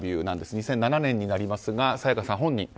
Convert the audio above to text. ２００７年になりますが沙也加さん本人。